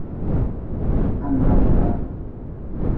Ha nawdran.